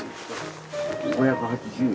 ５８０円。